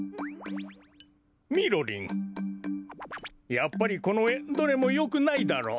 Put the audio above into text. やっぱりこのえどれもよくないだろう。